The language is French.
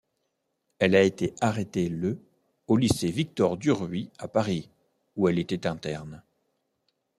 Elle a été arrêtée le au lycée Victor-Duruy à Paris où elle était interne.